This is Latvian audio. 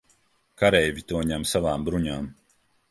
Kareivji to ņem savām bruņām.